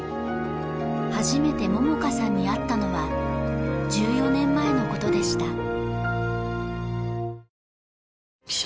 初めて萌々花さんに会ったのは１４年前のことでした